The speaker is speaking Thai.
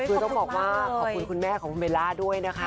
ว่าขอบคุณคุณแม่ของคุณเมล่าด้วยนะคะ